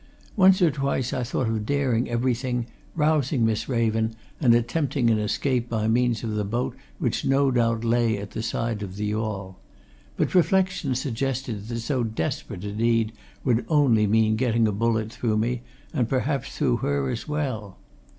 Once or twice I thought of daring everything, rousing Miss Raven, and attempting an escape by means of the boat which no doubt lay at the side of the yawl. But reflection suggested that so desperate a deed would only mean getting a bullet through me, and perhaps through her as well.